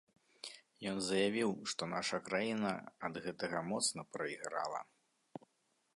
Ён заявіў, што наша краіна ад гэтага моцна прайграла.